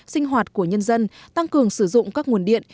sinh hoạt của nhân dân tăng cường sử dụng các nguồn điện